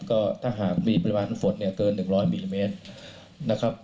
ก็ถ้าหากมีปริมาณฝนเกิน๑๐๐มิลลิเมตรนะครับ